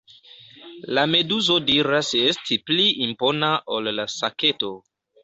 La meduzo diras esti pli impona ol la saketo.